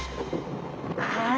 はい。